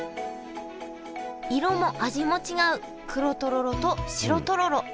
色も味も違う黒とろろと白とろろ。